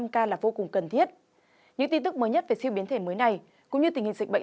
một ca là vô cùng cần thiết những tin tức mới nhất về siêu biến thể mới này cũng như tình hình dịch bệnh